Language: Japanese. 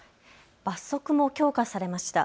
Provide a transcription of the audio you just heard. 罰則も強化されました。